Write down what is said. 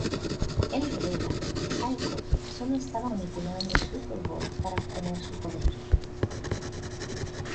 Él revela que Psycho solo estaba manipulando Superboy para obtener su poder.